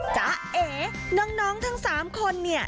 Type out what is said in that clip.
จ๊ะเอ๋น้องทั้ง๓คนเนี่ย